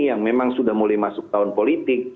yang memang sudah mulai masuk tahun politik